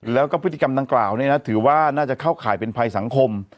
แล้วก็พฤติกรรมดังกล่าวถือว่าน่าจะเข้าข่ายเป็นภัยสังคม